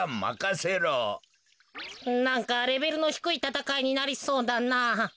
なんかレベルのひくいたたかいになりそうだな。